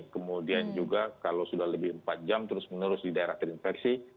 kemudian juga kalau sudah lebih empat jam terus menerus di daerah terinfeksi